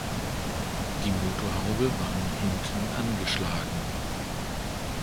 Die Motorhaube war nun hinten angeschlagen.